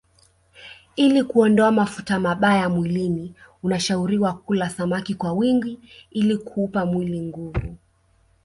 Ili kuondoa mafuta mabaya mwilini unashauriwa kula samaki kwa wingi ili kuupa mwili nguvu